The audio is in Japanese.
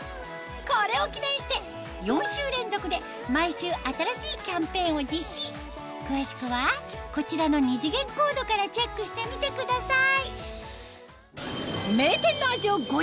これを記念して４週連続で毎週新しいキャンペーンを実施詳しくはこちらの２次元コードからチェックしてみてください